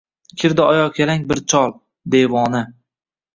Kirdi oyoqyalang bir chol – devona.